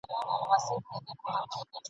خوب له شپې، قرار وتلی دی له ورځي ..